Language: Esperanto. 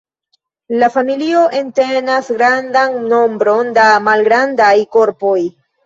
La familio entenas grandan nombron da malgrandaj korpoj.